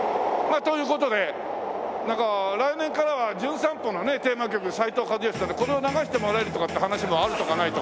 という事でなんか来年からは『じゅん散歩』のねテーマ曲斉藤和義さんでこれを流してもらえるとかって話もあるとかないとか。